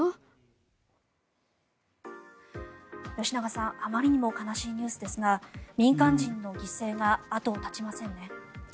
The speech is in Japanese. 吉永さん、あまりにも悲しいニュースですが民間人の犠牲が後を絶ちませんね。